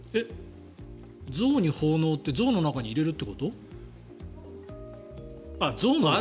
像に奉納って像の中に入れるってこと？